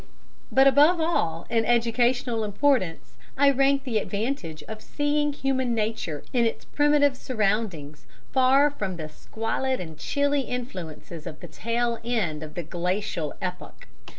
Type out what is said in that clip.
"But above all in educational importance I rank the advantage of seeing human nature in its primitive surroundings, far from the squalid and chilly influences of the tail end of the Glacial epoch."